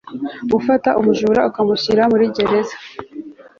gufata umujura ukamushyira muri gereza